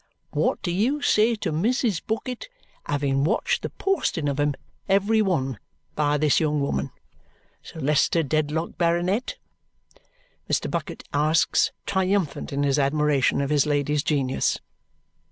What do you say to Mrs. Bucket having watched the posting of 'em every one by this young woman, Sir Leicester Dedlock, Baronet?" Mr. Bucket asks, triumphant in his admiration of his lady's genius.